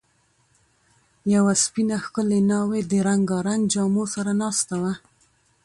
یوه سپینه، ښکلې ناوې د رنګارنګ جامو سره ناسته وه.